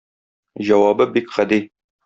Җавабы бик гади.